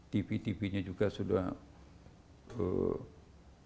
tv tvnya juga sudah presenternya tadinya terbuka